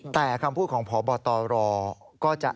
แต่คำพูดของพบตรก็จะ